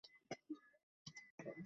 সান্থানাম, মালের কী খবর?